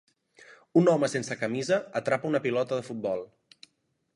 Un home sense camisa atrapa una pilota de futbol.